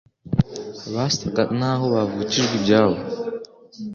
basaga n'aho bavukijwe ibyabo